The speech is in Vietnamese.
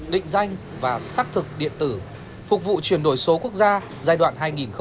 định danh và xác thực điện tử phục vụ chuyển đổi số quốc gia giai đoạn hai nghìn hai mươi một hai nghìn hai mươi năm